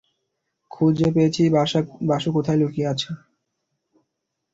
খুঁজে পেয়েছি বাসু কোথায় লুকিয়ে আছে।